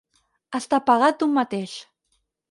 Estar pagat d'un mateix.